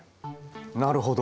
なるほど。